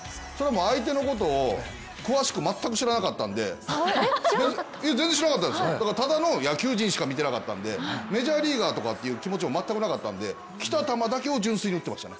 相手のことを詳しく全く知らなかったので、全然知らなかったです、ただの野球人しか見てなかったのでメジャーリーガーっていう気持ちは全くなかったんで来た球だけを純粋に打ってましたね。